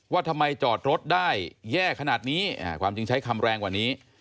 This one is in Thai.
ว่าทำไมจอดรถได้แย่ขนาดนี้ความจริงใช้คำแรงกว่านี้